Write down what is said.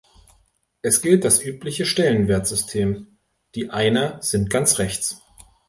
Es gilt das übliche Stellenwertsystem: Die Einer sind ganz rechts.